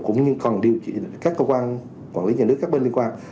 cũng như các cơ quan quản lý nhà nước các bên liên quan